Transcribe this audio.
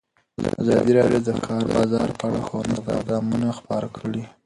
ازادي راډیو د د کار بازار په اړه ښوونیز پروګرامونه خپاره کړي.